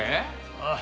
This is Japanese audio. ああ